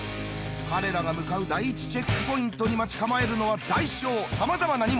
彼らが向かう第１チェックポイントに待ち構えるのは大小さまざまな荷物。